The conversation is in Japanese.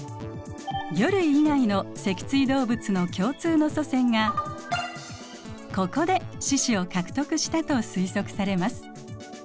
魚類以外の脊椎動物の共通の祖先がここで四肢を獲得したと推測されます。